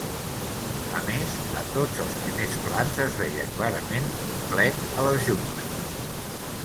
A més, a tots els primers plans es veia clarament un plec a les juntes.